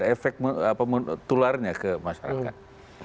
efek tularnya ke masyarakat